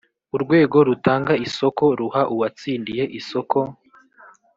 urwego rutanga isoko ruha uwatsindiye isoko